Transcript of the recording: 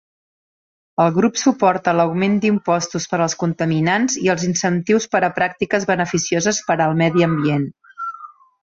El grup suporta l'augment d'impostos per als contaminants i els incentius per a pràctiques beneficioses per al medi ambient.